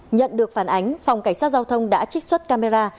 nhận được phản ánh phòng cảnh sát giao thông đã trích xuất camera